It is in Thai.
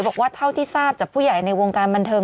บอกว่าเท่าที่ทราบจากผู้ใหญ่ในวงการบันเทิง